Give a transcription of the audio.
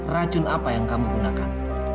racun apa yang kamu gunakan